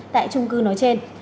tại trung cư nói trên